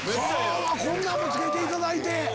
こんなのもつけていただいて。